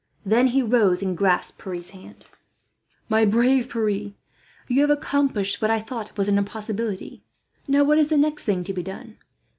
Then he rose, and grasped Pierre's hand. "My brave Pierre, you have accomplished what I thought was an impossibility. Now, what is the next thing to be done?"